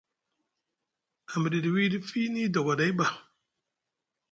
A midiɗi wiɗi fiini dogoɗay ɓa.